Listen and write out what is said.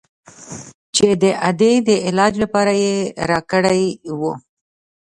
چې د ادې د علاج لپاره يې راكړى و.